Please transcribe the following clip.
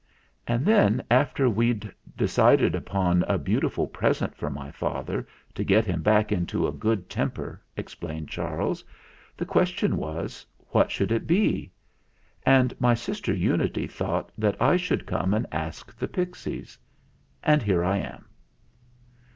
"And then, after we'd decided upon a beau tiful present for my father, to get him back into a good temper," explained Charles, "the question was, What should it be? And my sister Unity thought that I should come and ask the pixies. And here I am."